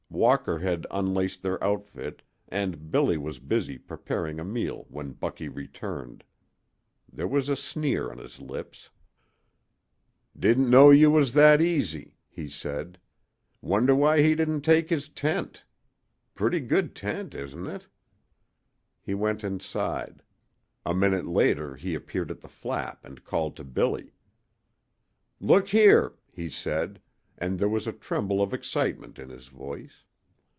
Walker had unlaced their outfit, and Billy was busy preparing a meal when Bucky returned. There was a sneer on his lips. "Didn't know you was that easy," he said. "Wonder why he didn't take his tent! Pretty good tent, isn't it?" He went inside. A minute later he appeared at the flap and called to Billy. "Look here!" he said, and there was a tremble of excitement in his voice.